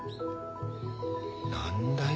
何だよ